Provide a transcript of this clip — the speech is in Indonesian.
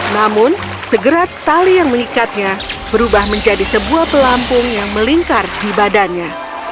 namun segera tali yang mengikatnya berubah menjadi sebuah pelampung yang melingkar di badannya